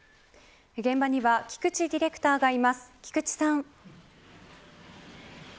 現場には菊池ディレクターがいます。